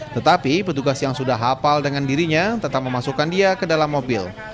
tetapi petugas yang sudah hafal dengan dirinya tetap memasukkan dia ke dalam mobil